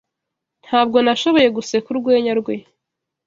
Ntabwo nashoboye guseka urwenya rwe.